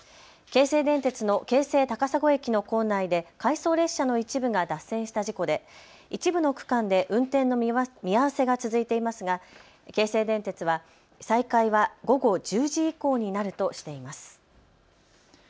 京成電鉄の京成高砂駅の構内で回送列車の一部が脱線した事故で一部の区間で運転の見合わせが続いていますが京成電鉄は再開は午後１０時以降になるとしています。